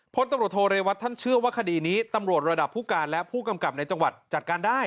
พลตำรวจโทเรวัตท่านเชื่อว่าคดีนี้ตำรวจระดับผู้การและผู้กำกับในจังหวัดจัดการได้